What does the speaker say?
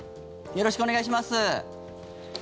よろしくお願いします。